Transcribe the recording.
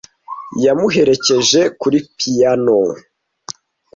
Yamuherekeje kuri piyano.